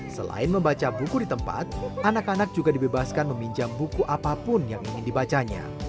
selain membaca buku di tempat anak anak juga dibebaskan meminjam buku apapun yang ingin dibacanya